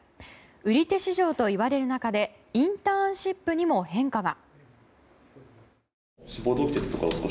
売り手市場といわれる中でインターンシップにも変化が。